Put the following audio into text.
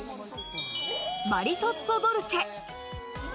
マリトッツォドルチェ。